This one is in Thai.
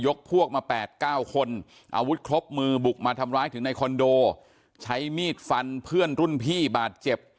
พวกมา๘๙คนอาวุธครบมือบุกมาทำร้ายถึงในคอนโดใช้มีดฟันเพื่อนรุ่นพี่บาดเจ็บ